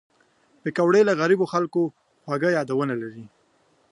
پکورې د غریبو خلک خوږ یادونه ده